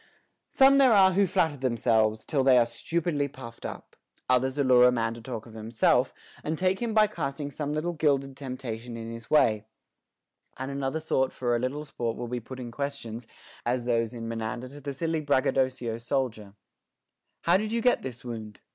Some there are who flatter themselves, till they are stu pidly puffed up ; others allure a man to talk of himself, and take him by casting some little gilded temptation in his way ; and another sort for a little sport will be putting questions, as those in Menander to the silly braggadocio soldier : How did you get this wound